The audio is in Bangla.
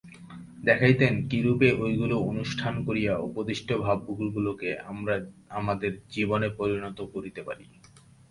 দেখাইতেন, কিরূপে ঐগুলি অনুষ্ঠান করিয়া উপদিষ্ট ভাবগুলিকে আমরা আমাদের জীবনে পরিণত করিতে পারি।